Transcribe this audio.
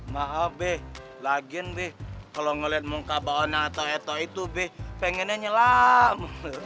maaf be lagian be kalo ngeliat muka mbak on atau eto itu be pengennya nyelam